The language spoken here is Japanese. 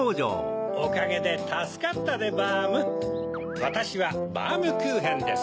・おかげでたすかったでバーム・わたしはバームクーヘンです。